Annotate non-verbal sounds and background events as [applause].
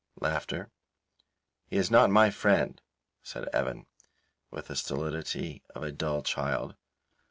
[laughs] "He is not my friend," said Evan, with the stolidity of a dull child.